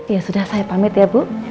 ya sudah saya pamit ya bu